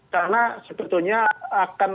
karena sebetulnya akan